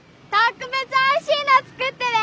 格別おいしいの作ってね。